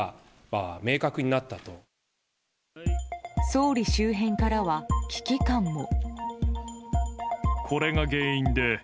総理周辺からは危機感も。